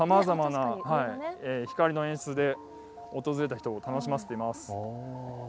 光の演出で訪れた人を楽しませています。